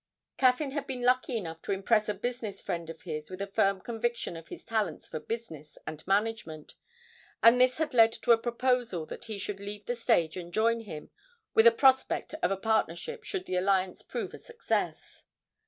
Caffyn had been lucky enough to impress a business friend of his with a firm conviction of his talents for business and management, and this had led to a proposal that he should leave the stage and join him, with a prospect of a partnership should the alliance prove a success.